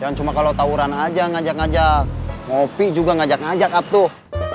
jangan cuma kalau tawuran aja ngajak ngajak ngopi juga ngajak ngajak atuh